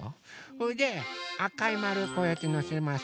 それであかいまるこうやってのせます。